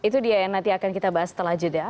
itu dia yang nanti akan kita bahas setelah jeda